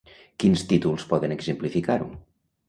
Quins títols poden exemplificar-ho?